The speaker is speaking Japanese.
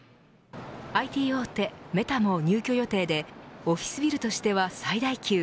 ＩＴ大手メタも入居予定でオフィスビルとしては最大級。